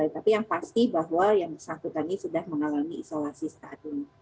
tapi yang pasti bahwa yang bersangkutan ini sudah mengalami isolasi saat ini